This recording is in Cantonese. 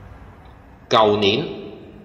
舊年